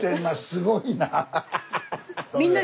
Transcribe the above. すごいな。